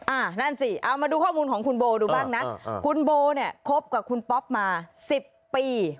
นั่นสิเอามาดูข้อมูลของคุณโบดูบ้างนะคุณโบเนี่ยคบกับคุณป๊อปมาสิบปี